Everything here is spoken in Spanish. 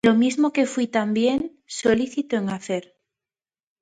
lo mismo que fuí también solícito en hacer.